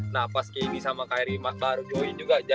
nah pas kyrie sama kyrie mark baru join juga